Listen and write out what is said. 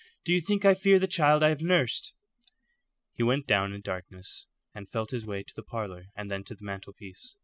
"Do you think I fear the child I have nursed?" He went down in the darkness, and felt his way to the parlour, and then to the mantelpiece.